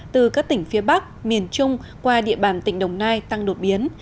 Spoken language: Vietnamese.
từ các tỉnh phía bắc miền trung qua địa bàn tỉnh đồng nai tăng đột biến